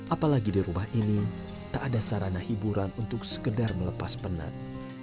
apalagi di rumah ini tak ada sarana hiburan untuk sekedar melepas penat